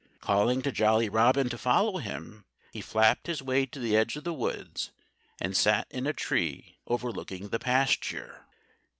Calling to Jolly Robin to follow him, he flapped his way to the edge of the woods and sat in a tree overlooking the pasture.